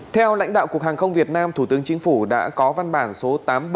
theo lãnh đạo cục hàng không việt nam thủ tướng chính phủ đã có văn bản số tám nghìn bảy trăm linh sáu